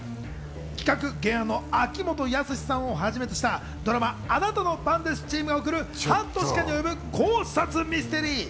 企画・原案の秋元康さんをはじめとしたドラマ『あなたの番です』チームが送る半年間に及ぶ考察ミステリー。